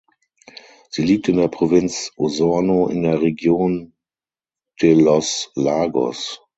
Sie liegt in der Provinz Osorno in der Region de los Lagos.